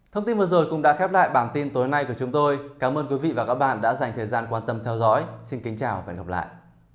thông tin vừa rồi cũng đã khép lại bản tin tối nay của chúng tôi cảm ơn quý vị và các bạn đã dành thời gian quan tâm theo dõi xin kính chào và hẹn gặp lại